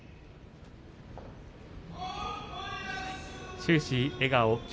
終始笑顔霧